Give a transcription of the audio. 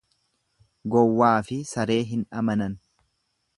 Gowwaafi saree hin amanan.